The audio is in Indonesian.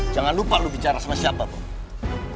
jangan lupa lo bicara sama siapa bang